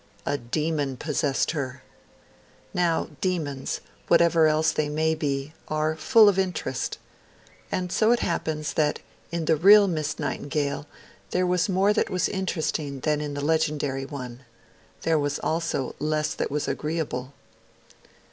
A Demon possessed her. Now demons, whatever else they may be, are full of interest. And so it happens that in the real Miss Nightingale there was more that was interesting than in the legendary one; there was also less that was agreeable.